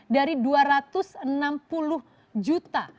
dari dua ratus enam puluh juta